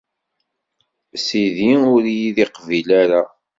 Sidi ur iyi-d-iqebbel ara.